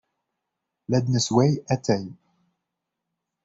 La d-nessewway atay.